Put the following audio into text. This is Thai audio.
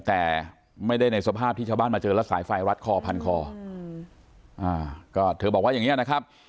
แต่ไม่ได้ในสภาพที่ชาวบ้านมาเจอสายไฟรัดคอพันคอ